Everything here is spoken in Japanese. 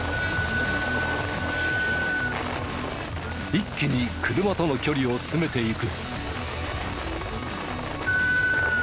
一気に車との距離を詰めていく。